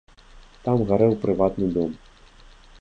Там гарэў прыватны дом.